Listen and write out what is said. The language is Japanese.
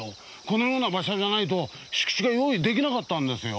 このような場所じゃないと敷地が用意出来なかったんですよ。